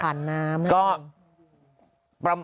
ผ่านน้ำน่ะ